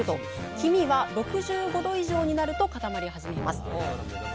黄身は６５℃以上になると固まり始めます。